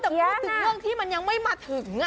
แต่พูดถึงเรื่องที่มันยังไม่มาถึง